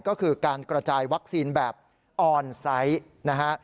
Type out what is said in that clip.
ก็คือการกระจายวัคซีนแบบออนไซต์นะฮะ